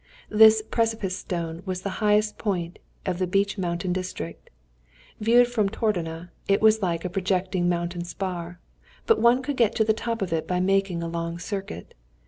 This "Precipice Stone" was the highest point of the beech mountain district. Viewed from Tordona, it was like a projecting mountain spar, but one could get to the top of it by making a long circuit.